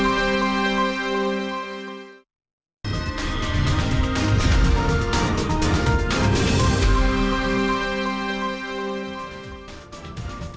kita harus break terlebih dahulu